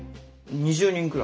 ２０人くらい。